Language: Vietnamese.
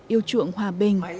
yêu chuộng hòa bình